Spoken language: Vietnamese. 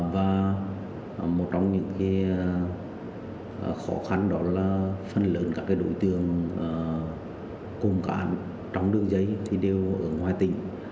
và một trong những khó khăn đó là phần lớn các đối tượng công an trong đường dây đều ở ngoài tỉnh